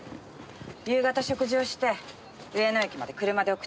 夕方食事をして上野駅まで車で送ってもらって。